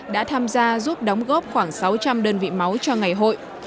đã tham gia giúp đóng góp khoảng sáu trăm linh đơn vị máu cho ngày hội